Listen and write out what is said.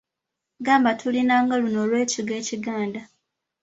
Gamba tulina nga luno olw’ekigwo ekiganda.